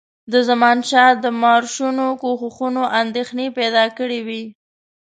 د زمانشاه د مارشونو کوښښونو اندېښنې پیدا کړي وې.